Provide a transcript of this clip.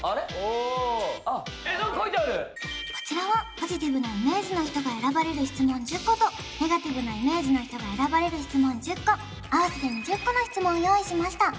えっ何か書いてあるこちらはポジティブなイメージの人が選ばれる質問１０個とネガティブなイメージの人が選ばれる質問１０個合わせて２０個の質問用意しました